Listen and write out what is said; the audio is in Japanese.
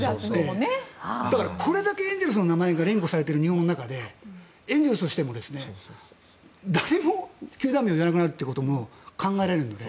だからこれだけエンゼルスの名前が日本で連呼されている中でエンゼルスとして誰も球団名を言わなくなるということも考えられるので。